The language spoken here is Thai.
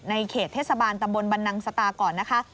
เขตเทศบาลตำบลบันนังสตาก่อนนะคะ